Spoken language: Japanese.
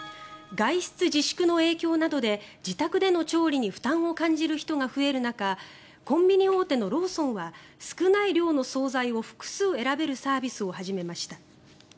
外出自粛の影響などで自宅での調理に負担を感じる人が増える中コンビニ大手のローソンは少ない量の総菜を複数選べるサービスを始めました。